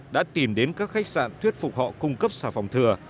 đã tìm đến các khách sạn thuyết phục họ cung cấp xà phòng thừa